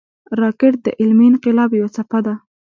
راکټ د علمي انقلاب یوه څپه ده